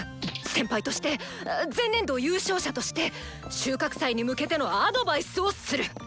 先輩として前年度優勝者として収穫祭に向けてのアドバイスをする。